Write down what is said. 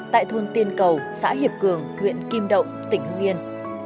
tại thôn tiên cầu xã hiệp cường huyện kim động tỉnh hưng yên